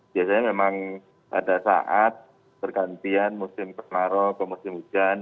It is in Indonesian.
biasanya memang pada saat pergantian musim kemarau ke musim hujan